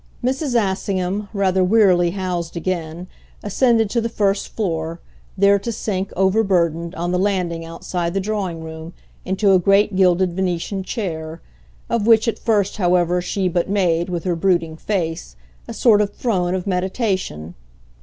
Mrs. Assingham, rather wearily housed again, ascended to the first floor, there to sink, overburdened, on the landing outside the drawing room, into a great gilded Venetian chair of which at first, however, she but made, with her brooding face, a sort of throne of meditation.